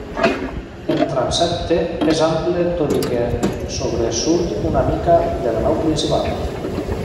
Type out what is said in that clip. El transsepte és ample tot i que sobresurt una mica de la nau principal.